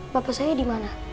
bapak saya dimana